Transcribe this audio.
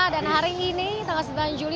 dan hari ini tanggal sembilan juli